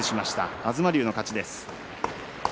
東龍の勝ちです。